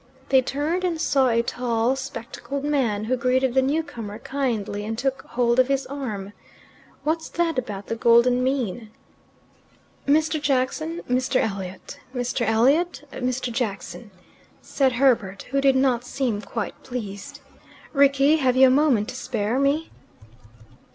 They turned and saw a tall, spectacled man, who greeted the newcomer kindly, and took hold of his arm. "What's that about the golden mean?" "Mr. Jackson Mr. Elliot: Mr. Elliot Mr. Jackson," said Herbert, who did not seem quite pleased. "Rickie, have you a moment to spare me?"